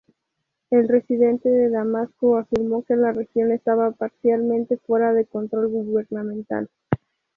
Un residente de Damasco afirmó que la región estaba parcialmente fuera del control gubernamental.